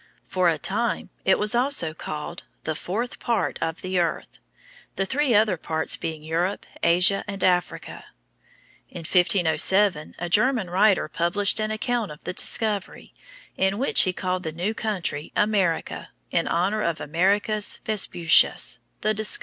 For a time it was also called the Fourth Part of the Earth, the other three parts being Europe, Asia, and Africa. In 1507 a German writer published an account of the discovery, in which he called the new country America, in honor of Americus Vespucius, the discoverer.